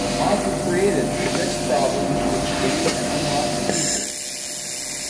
Mods were created to fix problems with the game and unlock new features.